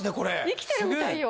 生きてるみたいよ。